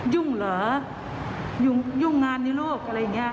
ยุ่งเหรอยุ่งงานในโลกอะไรอย่างนี้